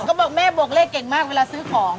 ก็บอกแม่บวกเลขเก่งมากเวลาซื้อของ